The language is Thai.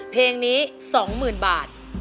เพลงนี้๒หมื่นบาท